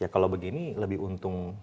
kalau begini lebih untung